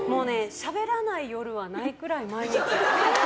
しゃべらない夜はないくらい毎日。